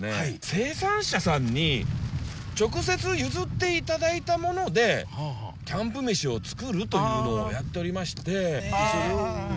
生産者さんに直接譲っていただいたものでキャンプ飯を作るというのをやっておりまして。